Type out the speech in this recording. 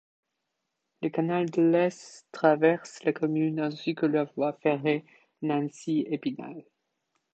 Le canal de l'Est traverse la commune, ainsi que la voie ferrée Nancy-Épinal.